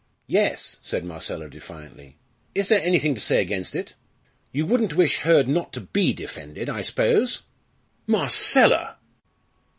"Yes," said Marcella, defiantly. "Is there anything to say against it? You wouldn't wish Hurd not to be defended, I suppose?" "Marcella!"